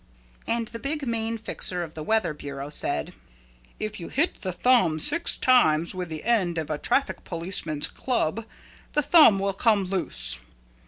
And the big main fixer of the weather bureau said, "If you hit the thumb six times with the end of a traffic policeman's club, the thumb will come loose."